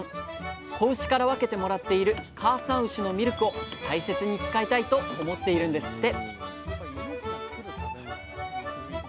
子牛から分けてもらっている「かあさん牛のミルク」を大切に使いたいと思っているんですって！